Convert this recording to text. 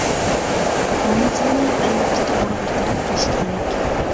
بۇ مەسىلىنى ئەلۋەتتە توغرا بىر تەرەپ قىلىش كېرەك.